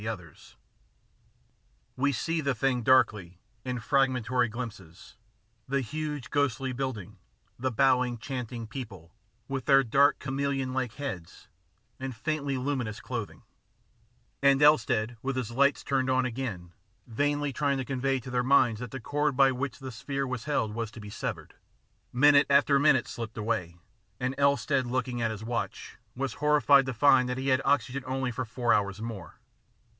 92 THE PLATTNER STORY AND OTHERS We see the thing darkly in fragmentary glimpses the huge ghostly building, the bowing, chanting people, with their dark chameleon like heads and faintly luminous clothing, and Elstead, with his light turned on again, vainly trying to convey to their minds that the cord by which the sphere was held was to be severed. Minute after minute slipped away, and Elstead, looking at his watch, was horrified to find that he had oxygen only for four hours more.